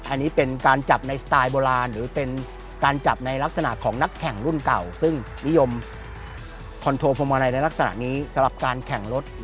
อันนี้เป็นการจับในสไตล์โบราณหรือเป็นการจับในลักษณะของนักแข่งรุ่นเก่าซึ่งนิยมคอนโทรพวงมาลัยในลักษณะนี้สำหรับการแข่งรถ